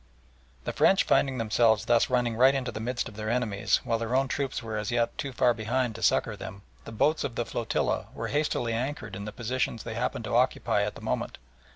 The French finding themselves thus running right into the midst of their enemies, while their own troops were as yet too far behind to succour them, the boats of the flotilla were hastily anchored in the positions they happened to occupy at the moment.